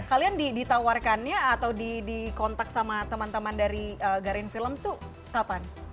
kalian ditawarkannya atau di kontak sama teman teman dari garin film tuh kapan